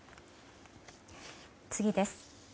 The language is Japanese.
次です。